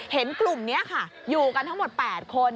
เห็นกลุ่มนี้ค่ะอยู่กันทั้งหมด๘คน